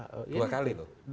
dua kali tuh